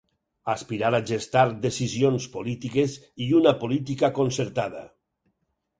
Aspirar a gestar decisions polítiques i una política concertada.